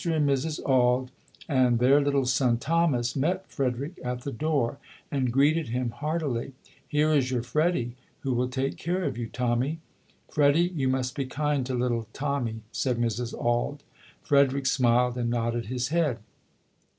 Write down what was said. and Mrs. Auld and their little son, Thomas, met Frederick at the door and greeted him heart ily. "Here is your Freddie who will take care of you, Tommy. Freddie, you must be kind to little Tommy", said Mrs. Auld. Frederick smiled and nodded his head.